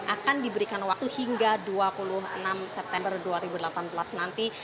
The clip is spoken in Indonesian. akan diberikan waktu hingga dua puluh enam september dua ribu delapan belas nanti